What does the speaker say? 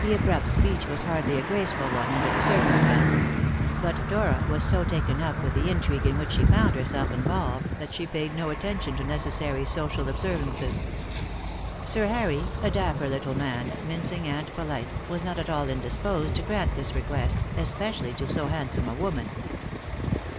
This abrupt speech was hardly a graceful one under the circumstances; but Dora was so taken up with the intrigue in which she found herself involved that she paid no attention to necessary social observances. Sir Harry, a dapper little man, mincing and polite, was not at all indisposed to grant this request, especially to so handsome a woman.